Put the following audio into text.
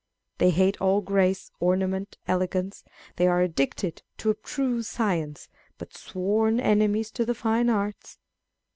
They hate all grace, orna ment, elegance. They are addicted to abstruse science, but sworn enemies to the fine arts.